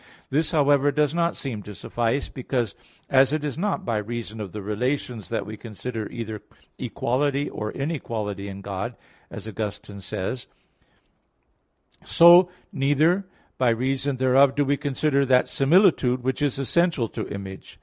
This, however, does not seem to suffice. Because as it is not by reason of the relations that we consider either equality or inequality in God, as Augustine says (De Trin. v, 6), so neither (by reason thereof do we consider) that similitude which is essential to image.